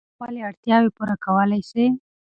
آیا ته خپلې اړتیاوې پوره کولای سې؟